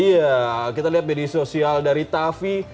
iya kita lihat media sosial dari tavi